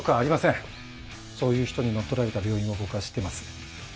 そういう人に乗っ取られた病院を僕は知ってます。